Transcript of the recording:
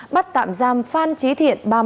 bắt tạm giam phan trí thiện